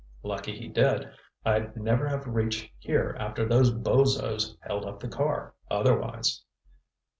Lucky he did. I'd never have reached here after those bozos held up the car, otherwise."